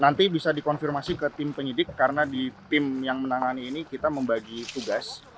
nanti bisa dikonfirmasi ke tim penyidik karena di tim yang menangani ini kita membagi tugas